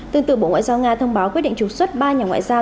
tương tự bộ ngoại giao nga thông báo quyết định trục xuất ba nhà ngoại giao